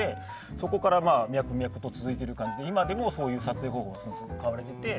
そこから脈々と続いている感じで今でもそういう撮影方法が使われてて。